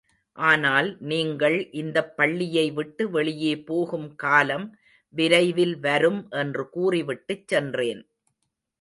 ஆனால் நீங்கள் இந்தப் பள்ளியை விட்டு வெளியே போகும் காலம் விரைவில் வரும் என்று கூறிவிட்டுச் சென்றேன்.